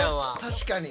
確かに。